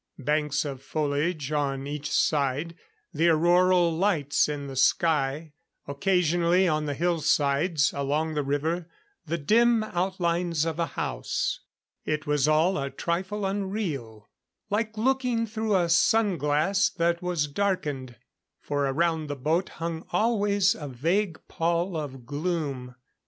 Banks of foliage on each side; the auroral lights in the sky; occasionally on the hillsides along the river, the dim outlines of a house. It was all a trifle unreal like looking through a sunglass that was darkened for around the boat hung always a vague pall of gloom.